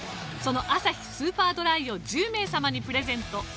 そのアサヒスーパードライを１０名様にプレゼント。